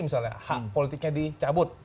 misalnya hak politiknya dicabut